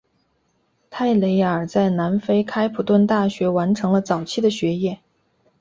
泰累尔在南非开普敦大学完成了早期的学业。